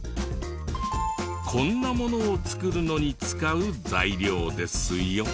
こんなものを作るのに使う材料ですよ。